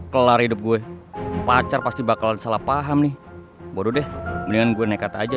kelar hidup gue pacar pasti bakal salah paham nih baru deh mendingan gue nekat aja